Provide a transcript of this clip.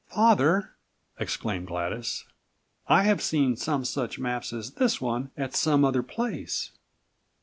"Father," exclaimed Gladys, "I have seen some such maps as this one at some other place."